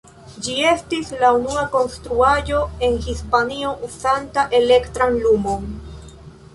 Ĝi estis la unua konstruaĵo en Hispanio uzanta elektran lumon.